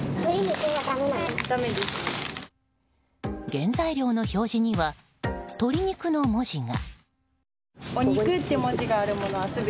原材料の表示には「鶏肉」の文字が。